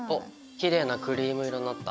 きれいなクリーム色になった。